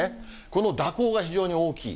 この蛇行が非常に大きい。